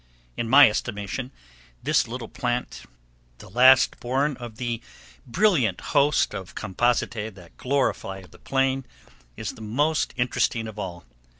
In my estimation, this little plant, the last born of the brilliant host of compositae that glorify the plain, is the most interesting of all.